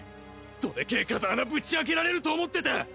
どでけえ風穴ぶち開けられると思ってた！